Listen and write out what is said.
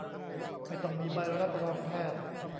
ไม่ต้องมีใบรับรองแพทย์ !